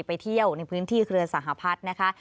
ไปเที่ยวในพื้นที่เครือสหพัฒน์นะคะ